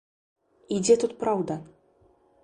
І дзе тут праўда?